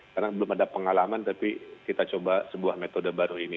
karena belum ada pengalaman tapi kita coba sebuah metode baru ini